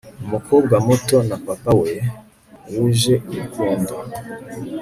Umukobwa muto na papa we wuje urukundo